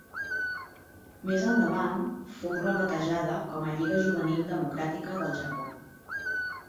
Més endavant, fou rebatejada com a Lliga Juvenil Democràtica del Japó.